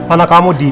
anak kamu di